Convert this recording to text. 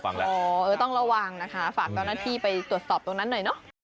ต้องระวังนะคะฝากต้อนรับพี่ไปตรวจสอบตรงนั้นหน่อย